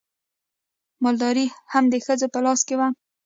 مالداري هم د ښځو په لاس کې وه.